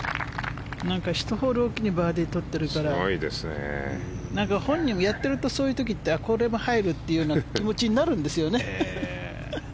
１ホール置きにバーディーとってるから本人やってると、そういう時ってこれは入るっていう気持ちになるんですよね。